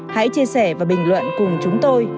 hãy chia sẻ và bình luận cùng chúng tôi